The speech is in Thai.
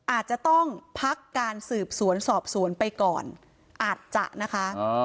อาจจะต้องพักการสืบสวนสอบสวนไปก่อนอาจจะนะคะ